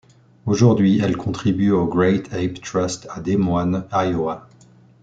Aujourd'hui, elle contribue au Great Ape Trust à Des Moines, Iowa.